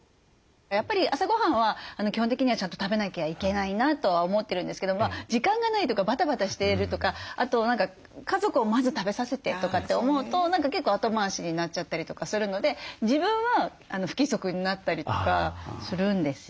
やっぱり朝ごはんは基本的にはちゃんと食べなきゃいけないなとは思ってるんですけど時間がないとかバタバタしているとかあと何か家族をまず食べさせてとかって思うと結構後回しになっちゃったりとかするので自分は不規則になったりとかするんですよね。